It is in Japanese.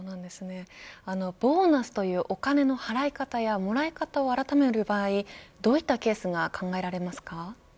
ボーナスというお金の払い方やもらい方を改める場合どういったケースが考えられますか。